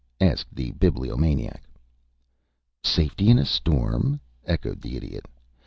asked the Bibliomaniac. "Safety in a storm?" echoed the Idiot.